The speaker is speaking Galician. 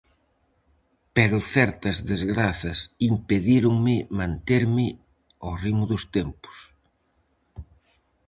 Pero certas desgrazas impedíronme manterme ó ritmo dos tempos.